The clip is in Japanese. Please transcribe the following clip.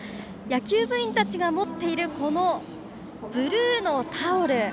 野球部員たちが持っているブルーのタオル。